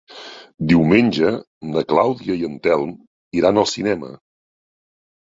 Diumenge na Clàudia i en Telm iran al cinema.